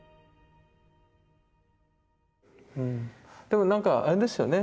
でもなんかあれですよね